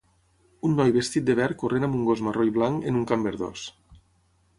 Un noi vestit de verd corrent amb un gos marró i blanc en un camp verdós.